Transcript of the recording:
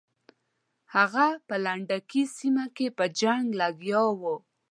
هغه په لنډکي سیمه کې په جنګ لګیا وو.